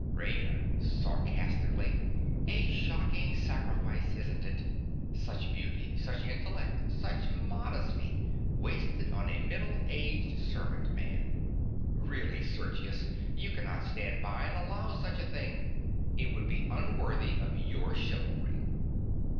RAINA. (sarcastically). A shocking sacrifice, isn't it? Such beauty, such intellect, such modesty, wasted on a middle aged servant man! Really, Sergius, you cannot stand by and allow such a thing. It would be unworthy of your chivalry.